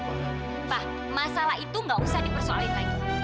pak masalah itu gak usah dipersoal in lagi